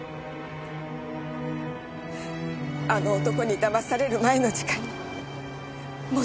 あの男にだまされる前の時間に戻りたい。